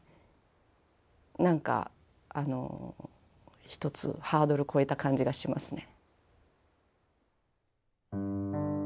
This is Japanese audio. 何か一つハードル越えた感じがしますね。